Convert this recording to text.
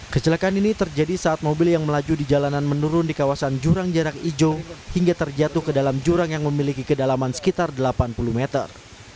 kecelakaan ini terjadi saat mobil yang melaju di jalanan menurun di kawasan jurang jarak ijo hingga terjatuh ke dalam jurang yang memiliki kedalaman sekitar delapan puluh meter